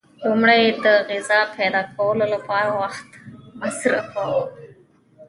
لومړی یې د غذا پیدا کولو لپاره وخت مصرفاوه.